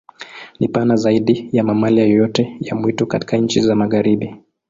Ni pana zaidi ya mamalia yoyote ya mwitu katika nchi za Magharibi.